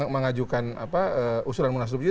mengajukan usulan munaslup